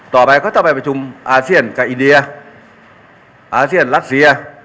ก็ต้องไปประชุมอาเซียนกับอินเดียอาเซียนรัสเซีย